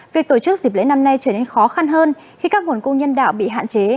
việc tổ chức dịp lễ năm nay trở nên khó khăn hơn khi các nguồn cung nhân đạo bị hạn chế